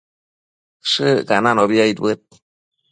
Shëccananobi aidbëd